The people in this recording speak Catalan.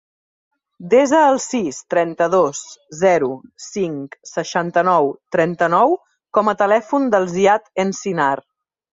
Desa el sis, trenta-dos, zero, cinc, seixanta-nou, trenta-nou com a telèfon del Ziad Encinar.